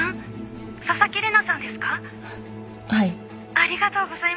☎ありがとうございます。